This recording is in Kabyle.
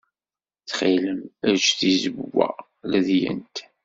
Ttxil-m, ejj tizewwa ledyent.